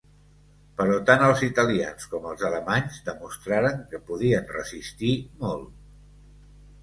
Però tant els italians com els alemanys demostraren que podien resistir molt.